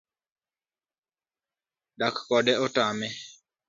Dak kode otame